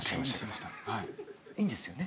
いいんですよね？